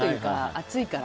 暑いから。